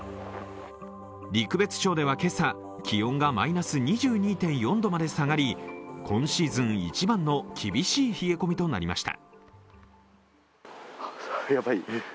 陸別町では今朝、気温がマイナス２２．４度まで下がり、今シーズン一番の厳しい冷え込みとなりました。